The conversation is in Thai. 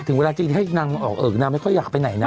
ถึงเวลาจริงให้นางออกนางไม่ค่อยอยากไปไหนนะ